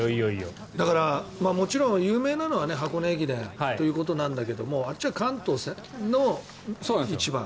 もちろん有名なのは箱根駅伝ということなんだけどあっちは関東の一番。